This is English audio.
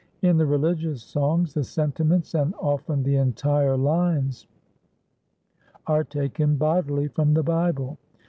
In the religious songs, the sentiments and often the entire lines are taken bodily from the Bible.